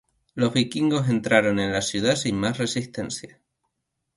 Los vikingos entraron en la ciudad sin más resistencia.